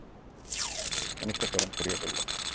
অনিষ্টাচরণ ছড়িয়ে পড়ল।